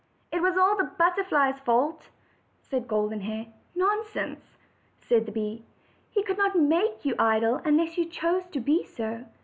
"It was all the butterfly's fault!" said Golden Hair. "Nonsense," said the bee, "he could not make you idle unless you chose to be so.